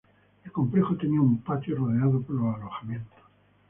El complejo tenía un patio rodeado por los alojamientos.